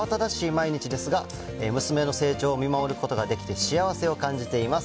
毎日ですが、娘の成長を見守ることができて幸せを感じています。